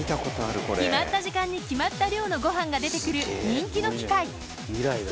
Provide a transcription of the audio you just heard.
決まった時間に決まった量のご飯が出てくる人気の機械未来だ。